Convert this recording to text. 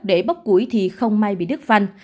để bóp củi thì không may bị đứt phanh